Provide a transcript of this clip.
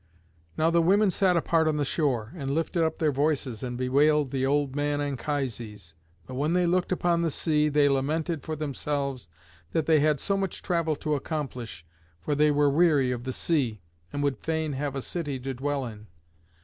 Now the women sat apart on the shore, and lifted up their voices and bewailed the old man Anchises. But when they looked upon the sea they lamented for themselves that they had so much travel to accomplish, for they were weary of the sea, and would fain have a city to dwell in.